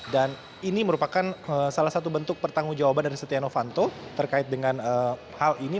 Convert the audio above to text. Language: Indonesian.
dan ini merupakan salah satu bentuk pertanggung jawaban dari setia novanto terkait dengan hal ini